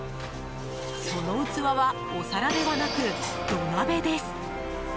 その器は、お皿ではなく土鍋です！